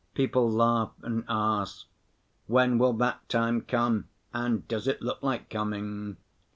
People laugh and ask: "When will that time come and does it look like coming?"